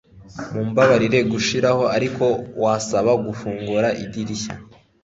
Mumbabarire gushiraho ariko wasaba gufungura idirishya